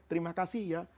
terima kasih ya